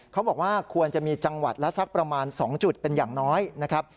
เขาบอกว่าควรจะมีจังหวัดละสักประมาณ๒จุดเป็นอย่างน้อยนะครับ